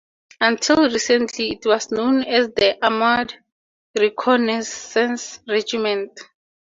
Until recently, it was known as the Armoured Reconnaissance Regiment.